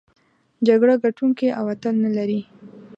جګړه ګټوونکی او اتل نلري.